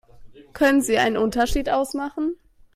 Können Sie einen Unterschied ausmachen?